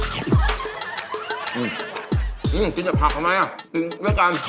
กินแต่ผักทำไมกินได้กัน